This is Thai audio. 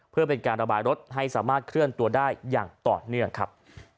เพื่อเป็นการระบายรถให้สามารถเคลื่อนตัวได้อย่างต่อเนื่องครับ